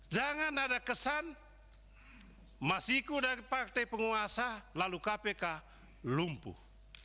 jangan ada kesan masiku dari partai penguasa lalu kpk lumpuh